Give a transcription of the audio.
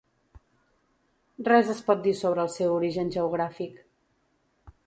Res es pot dir sobre el seu origen geogràfic.